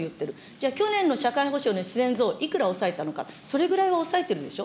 じゃあ去年の社会保障の自然増、いくら抑えたのか、それぐらいは押さえてるでしょ。